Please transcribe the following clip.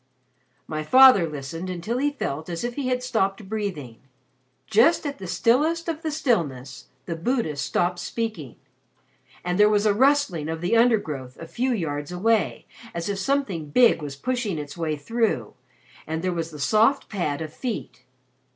"My father listened until he felt as if he had stopped breathing. Just at the stillest of the stillness the Buddhist stopped speaking. And there was a rustling of the undergrowth a few yards away, as if something big was pushing its way through and there was the soft pad of feet.